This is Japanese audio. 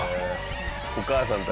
お母さんたちが。